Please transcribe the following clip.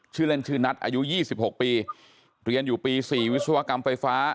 ชื่อเล่นชื่อนัทอายุ๒๖ปีเรียนอยู่ปี๔วิศวกรรมไฟฟ้า